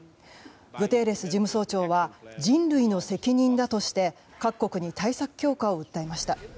グテーレス事務総長は人類の責任だとして各国に対策強化を訴えました。